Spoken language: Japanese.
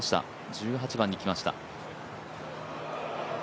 １８番に来ました。